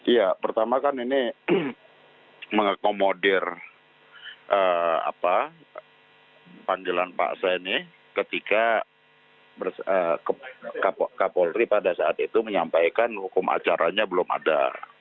ya pertama kan ini mengakomodir panggilan pak seni ketika kapolri pada saat itu menyampaikan hukum acaranya belum ada